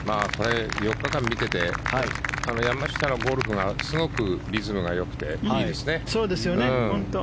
これ、４日間見てて山下のゴルフがすごくリズムがよくていいですね。